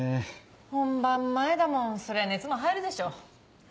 本番前だもんそりゃ熱も入るでしょ。